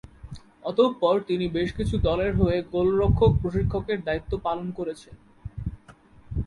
অতঃপর তিনি বেশ কিছু দলের হয়ে গোলরক্ষক প্রশিক্ষকের দায়িত্ব পালন করেছেন।